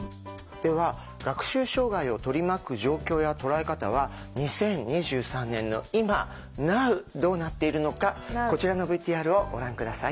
では学習障害を取り巻く状況や捉え方は２０２３年の今ナウどうなっているのかこちらのＶＴＲをご覧下さい。